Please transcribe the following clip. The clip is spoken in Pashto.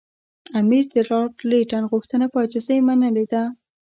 امیر د لارډ لیټن غوښتنه په عاجزۍ منلې ده.